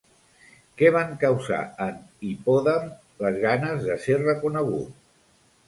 Què van causar en Hipòdam les ganes de ser reconegut?